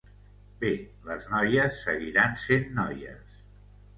Bé, les noies seguiran sent noies.